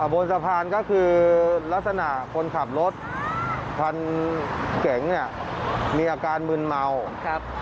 บนสะพานก็คือลักษณะคนขับรถทางเก๋งมีอาการมึนเมา